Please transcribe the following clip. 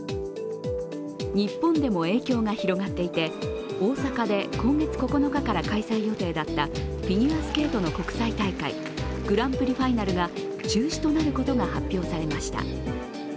日本でも影響が広がっていて、大阪で今月９日から開催予定だったフィギュアスケートの国際大会、グランプリファイナルが中止となることが発表されました。